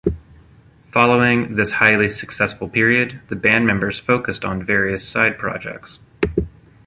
Following this highly successful period, the band members focused on various side projects.